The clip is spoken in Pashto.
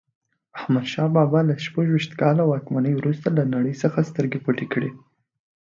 احمدشاه بابا له شپږویشت کاله واکمنۍ وروسته له نړۍ څخه سترګې پټې کړې.